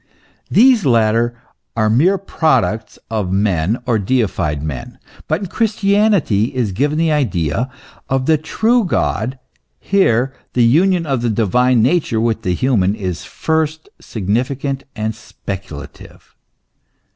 These latter are mere products of men or deified men; but in Christianity is given the idea of the true God ; here the union of the divine nature with the human is first significant and " speculative."